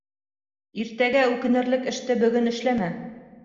Иртәгә үкенерлек эште бөгөн эшләмә.